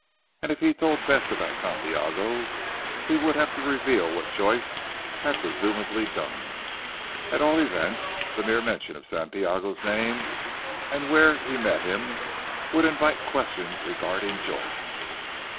And if he told Bess about Santiago, he would have to reveal what Joyce\ had presumably done. At all events the mere mention of Santiago's name and where he met him would invite questions regarding Joyce.